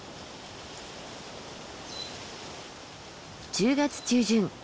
１０月中旬